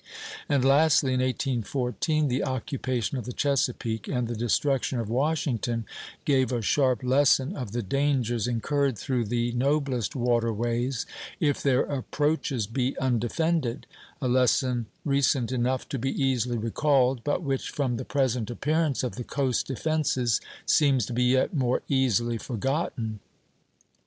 And lastly, in 1814, the occupation of the Chesapeake and the destruction of Washington gave a sharp lesson of the dangers incurred through the noblest water ways, if their approaches be undefended; a lesson recent enough to be easily recalled, but which, from the present appearance of the coast defences, seems to be yet more easily forgotten.